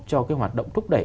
cho cái hoạt động thúc đẩy